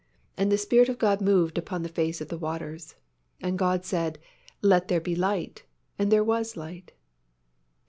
And the Spirit of God moved upon the face of the waters. And God said, Let there be light: and there was light."